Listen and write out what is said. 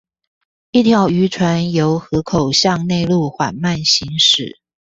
一條漁船由河口向內陸緩慢行駛